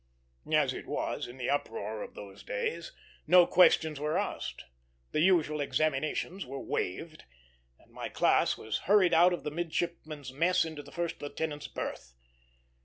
As it was, in the uproar of those days, no questions were asked. The usual examinations were waived, and my class was hurried out of the midshipmen's mess into the first lieutenant's berth.